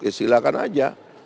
ya silakan aja